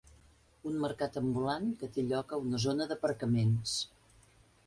Un mercat ambulant que té lloc a una zona d'aparcaments.